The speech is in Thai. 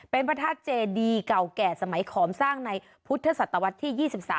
เป็นพระธาตุเจดีเก่าแก่สมัยขอมสร้างในพุทธศตวรรษที่๒๓